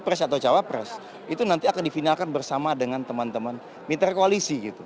pres atau cawapres itu nanti akan difinalkan bersama dengan teman teman mitra koalisi gitu